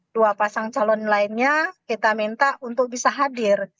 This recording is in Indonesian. dua pasang calon lainnya kita minta untuk bisa hadir